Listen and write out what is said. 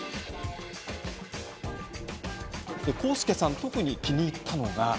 浩介さん、特に気に入ったのが。